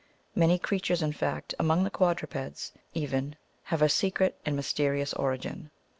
Many creatures, in fact, among the quadrupeds even, have a secret and mysterious origin.